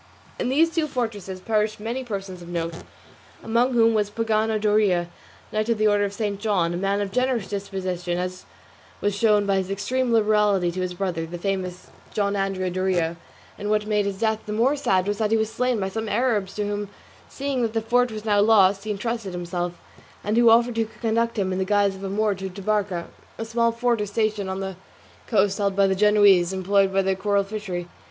In these two fortresses perished many persons of note, among whom was Pagano Doria, knight of the Order of St. John, a man of generous disposition, as was shown by his extreme liberality to his brother, the famous John Andrea Doria; and what made his death the more sad was that he was slain by some Arabs to whom, seeing that the fort was now lost, he entrusted himself, and who offered to conduct him in the disguise of a Moor to Tabarca, a small fort or station on the coast held by the Genoese employed in the coral fishery.